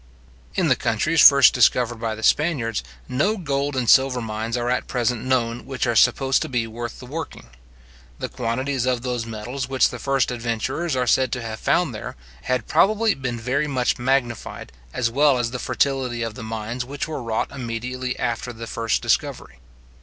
In the countries first discovered by the Spaniards, no gold and silver mines are at present known which are supposed to be worth the working. The quantities of those metals which the first adventurers are said to have found there, had probably been very much magnified, as well as the fertility of the mines which were wrought immediately after the first discovery.